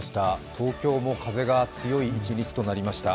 東京も風が強い一日となりました。